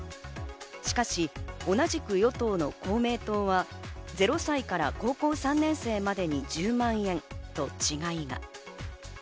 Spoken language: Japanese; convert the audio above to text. しかし同じく与党の公明党は０歳から高校３年生までに１０万円と違いが。